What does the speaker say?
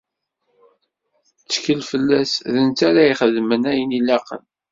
Ttkel fell-as, d netta ara ixedmen ayen i ilaqen.